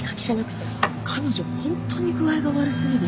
彼女ホントに具合が悪そうで。